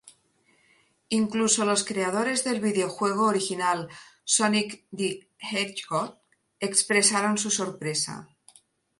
Incluso los creadores del videojuego original "Sonic the Hedgehog", expresaron su sorpresa.